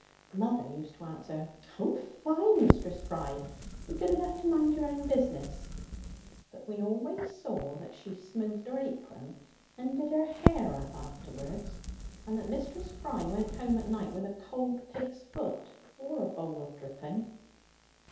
Mother used to answer 'Oh fie, Mistress Fry! be good enough to mind your own business.' But we always saw that she smoothed her apron, and did her hair up afterwards, and that Mistress Fry went home at night with a cold pig's foot or a bowl of dripping.